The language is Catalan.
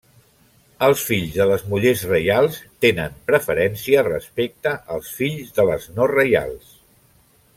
Els fills de les mullers reials tenen preferència respecte als fills de les no reials.